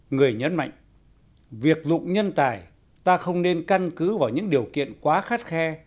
người nhấn mạnh việc dụng nhân tài ta không nên căn cứ vào những điều kiện quá khắt khe